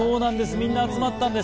みんな集まったんです。